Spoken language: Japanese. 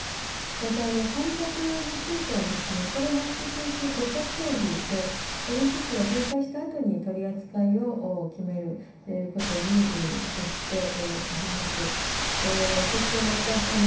また観客については、これも引き続き５者協議でオリンピックが閉会したあとに取り扱いを決めることにいたしております。